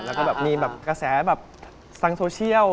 แล้วก็มีแบบกระแสสังส์โซเชียล